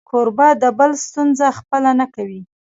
کوربه د بل ستونزه خپله نه کوي.